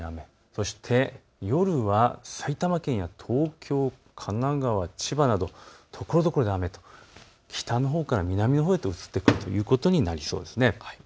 そして夜は埼玉県や東京、神奈川、千葉などところどころで雨と北のほうから南のほうへと移っていくということになりそうです。